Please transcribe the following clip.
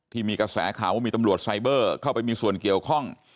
ที่มีกระแสข่าวว่ามีตำรวจไซเบอร์เข้าไปมีส่วนเกี่ยวข้อง